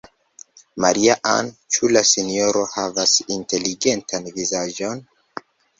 Maria-Ann, ĉu la sinjoro havas inteligentan vizaĝon?